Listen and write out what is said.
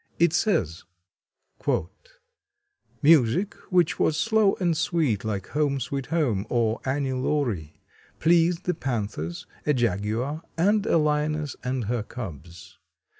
It says: "Music which was slow and sweet, like 'Home, Sweet Home,' or 'Annie Laurie,' pleased the panthers, a jaguar and a lioness and her cubs.